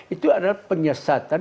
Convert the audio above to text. itu adalah penyesatan